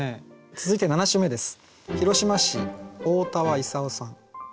続いて７首目です。